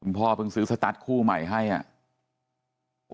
พ่อเพิ่งซื้อสตัสคู่ใหม่ให้อ่ะ